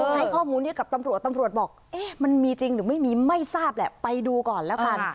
ให้ข้อมูลให้กับตำรวจตำรวจบอกเอ๊ะมันมีจริงหรือไม่มีไม่ทราบแหละไปดูก่อนแล้วกัน